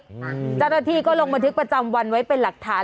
เจ้าหน้าที่ก็ลงบันทึกประจำวันไว้เป็นหลักฐาน